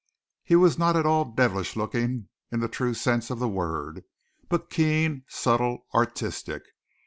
He was not at all devilish looking in the true sense of the word, but keen, subtle, artistic.